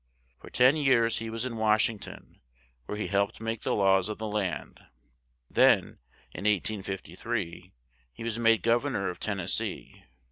For ten years he was in Wash ing ton, where he helped make the laws of the land; then in 1853, he was made gov ern or of Ten nes see.